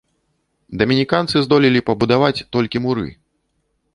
Дамініканцы здолелі пабудаваць толькі муры.